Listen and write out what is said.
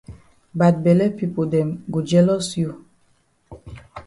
Bad bele pipo dem go jealous you.